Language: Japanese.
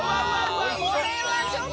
これはちょっと。